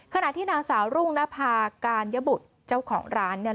ขณะที่นางสาวรุ่งนภาการยบุตรเจ้าของร้านเนี่ย